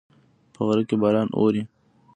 په غره کې باران اوري